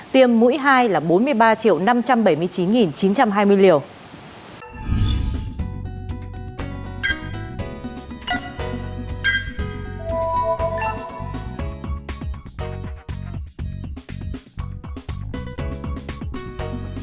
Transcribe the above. tiêm mũi hai là bốn mươi ba năm trăm bảy mươi chín chín trăm hai mươi liều